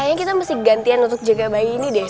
kayaknya kita mesti gantian untuk jaga bayi ini deh